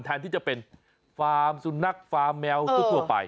แทนที่จะเป็นฟาร์มสุนัขฟาร์มแมวทั่วไป